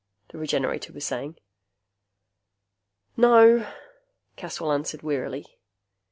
the Regenerator was saying. "No," Caswell answered wearily.